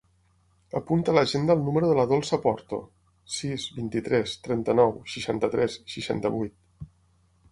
Apunta a l'agenda el número de la Dolça Porto: sis, vint-i-tres, trenta-nou, seixanta-tres, seixanta-vuit.